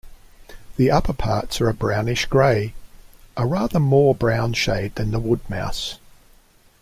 The upperparts are brownish-grey, - a rather more brown shade than the wood mouse.